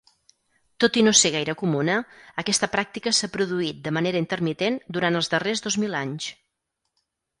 Tot i no ser gaire comuna, aquesta pràctica s'ha produït de manera intermitent durant els darrers dos mil anys.